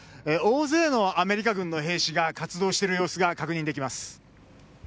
大勢のアメリカ軍の兵士が活動している様子が確認できます。